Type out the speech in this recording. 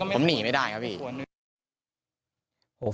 ผมหนีไม่ได้ครับพี่